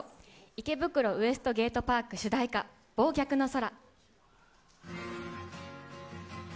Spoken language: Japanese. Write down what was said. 池袋ウエストゲートパーク主題歌、忘却の空。